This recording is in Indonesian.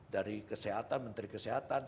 dari kesehatan menteri kesehatan